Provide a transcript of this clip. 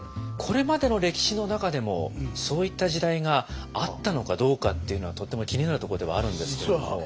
これまでの歴史の中でもそういった時代があったのかどうかっていうのはとっても気になるところではあるんですけれども。